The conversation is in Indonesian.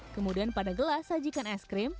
kemudian pada gelas sajikan es krim